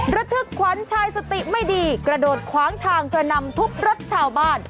ระทึกขวัญชายสติไม่ดีกระโดดขวางทางกระนำทุบรถชาวบ้าน